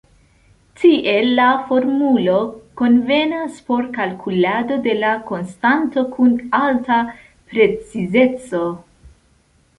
Tiel la formulo konvenas por kalkulado de la konstanto kun alta precizeco.